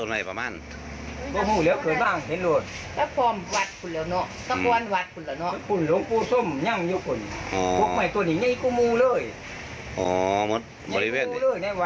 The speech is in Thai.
นึกมูเลยไงวะ